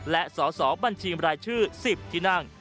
และสอสอบัญชีบรายชื่อ๑๐ที่นั่ง